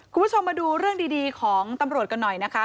คุณผู้ชมมาดูเรื่องดีของตำรวจกันหน่อยนะคะ